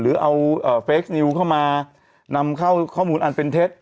หรือเอาเฟคนิวเข้ามานำเข้าข้อมูลอันเป็นเท็จ